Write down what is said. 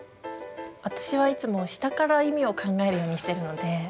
私はいつも下から意味を考えるようにしてるので。